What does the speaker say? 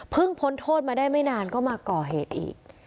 พ้นโทษมาได้ไม่นานก็มาก่อเหตุอีก